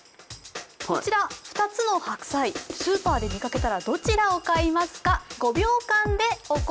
こちら、２つの白菜スーパーで見かけたらどちらを買いますか？